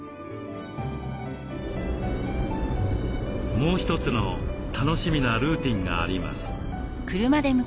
もう一つの楽しみなルーティンがあります。